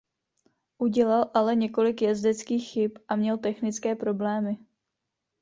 Udělal ale několik jezdeckých chyb a měl technické problémy.